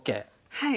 はい。